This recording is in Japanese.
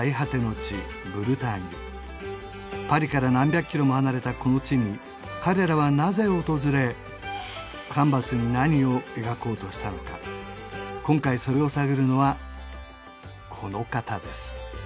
地ブルターニュパリから何百キロも離れたこの地に彼らはなぜ訪れカンヴァスに何を描こうとしたのか今回それを探るのはこの方です